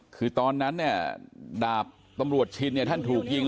คือตอนนั้นเนี่ยดาบตำรวจชินเนี่ยท่านถูกยิง